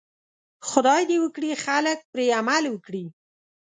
خدای دې وکړي خلک پرې عمل وکړي.